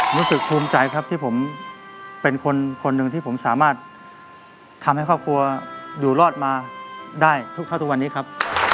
รู้สึกภูมิใจครับที่ผมเป็นคนหนึ่งที่ผมสามารถทำให้ครอบครัวอยู่รอดมาได้ทุกเท่าทุกวันนี้ครับ